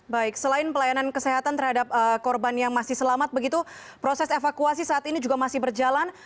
baik selain pelayanan kesehatan terhadap korban yang masih selamat begitu proses evakuasi saat ini juga masih berjalan